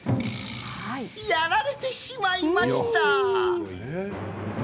やられてしまいました！